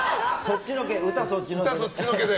歌そっちのけで。